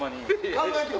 考えてみ！